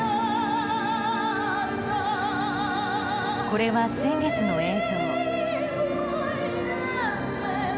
これは先月の映像。